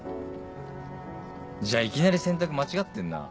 じゃあいきなり選択間違ってんなぁ。